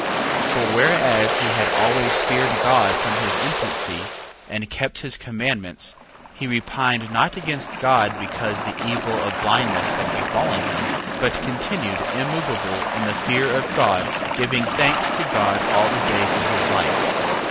2:13. For whereas he had always feared God from his infancy, and kept his commandments, he repined not against God because the evil of blindness had befallen him, 2:14. But continued immoveable in the fear of God, giving thanks to God all the days of his life.